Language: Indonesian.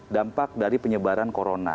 dampak dari penyebaran corona